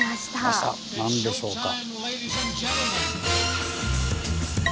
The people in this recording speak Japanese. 何でしょうか。